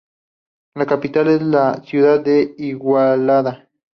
La capital es la ciudad de Igualada.